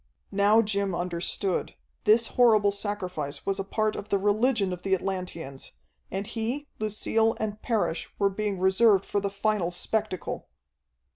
Now Jim understood. This horrible sacrifice was a part of the religion of the Atlanteans, and he, Lucille, and Parrish, were being reserved for the final spectacle.